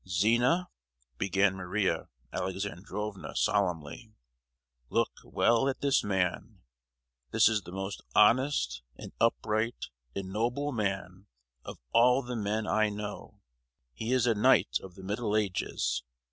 "Zina," began Maria Alexandrovna, solemnly, "look well at this man! This is the most honest and upright and noble man of all the men I know. He is a knight of the middle ages!